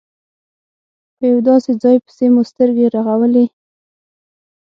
په یو داسې ځای پسې مو سترګې رغولې.